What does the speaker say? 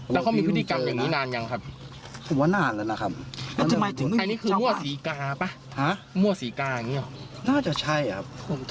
แล้วเค้ามีพฤติกรรมอย่างนี้นานยังครับ